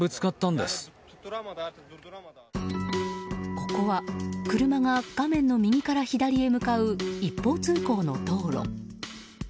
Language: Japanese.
ここは車が画面の右から左へ向かう、一方通行の道路。